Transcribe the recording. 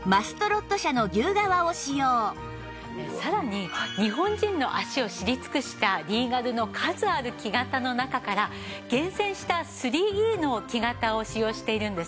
さらに日本人の足を知り尽くしたリーガルの数ある木型の中から厳選した３Ｅの木型を使用しているんです。